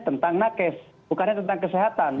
tentang nakes bukannya tentang kesehatan